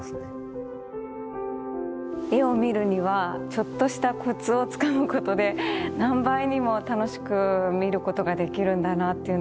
絵を見るにはちょっとしたコツをつかむことで何倍にも楽しく見ることができるんだなっていうのが発見でしたね。